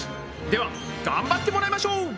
では頑張ってもらいましょう！